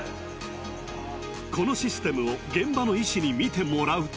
このシステムを現場の医師に見てもらうと